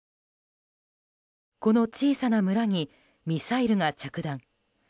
この小さな村にミサイルが着弾。